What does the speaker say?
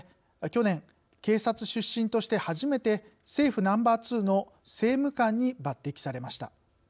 去年、警察出身として、初めて政府ナンバー２の政務官に抜てきされました。